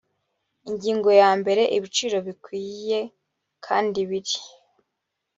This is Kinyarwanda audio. ingingo yambere ibiciro bikwiye kandi biri